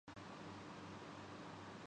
یہی ڈر سیہون شریف جانے سے روکتا ہے۔